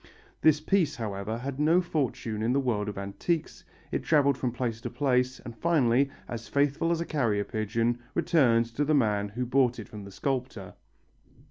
This piece, however, had no fortune in the world of antiques, it travelled from place to place, and finally, as faithful as a carrier pigeon, returned to the man who had bought it from the sculptor.